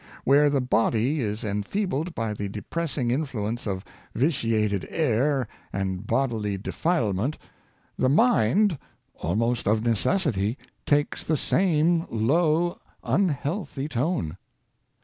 Where the body is enfeebled by the depressing influence of vitiated air and bodily de filement, the mind, almost of necessity, takes the same low, unhealthy tone.